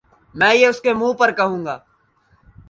میں یہ اسکے منہ پر کہوں گا